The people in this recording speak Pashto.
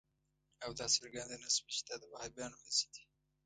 او دا څرګنده نه شوه چې دا د وهابیانو هڅې دي.